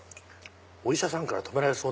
お医者さんから止められそう。